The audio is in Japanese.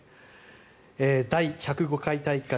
第１０５回大会